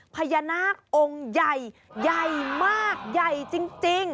พญานาคองค์ใหญ่ใหญ่มากใหญ่จริง